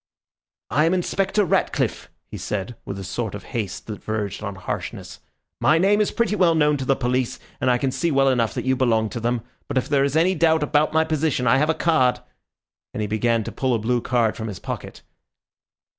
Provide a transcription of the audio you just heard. "I am Inspector Ratcliffe," he said, with a sort of haste that verged on harshness. "My name is pretty well known to the police, and I can see well enough that you belong to them. But if there is any doubt about my position, I have a card," and he began to pull a blue card from his pocket.